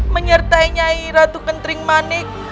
menyertai nyai ratu kenting manik